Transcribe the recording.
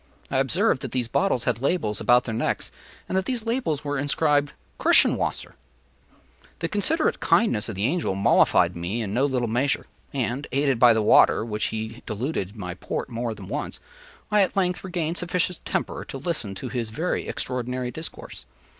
I observed that these bottles had labels about their necks, and that these labels were inscribed “Kirschenwasser.” The considerate kindness of the Angel mollified me in no little measure; and, aided by the water with which he diluted my Port more than once, I at length regained sufficient temper to listen to his very extraordinary discourse.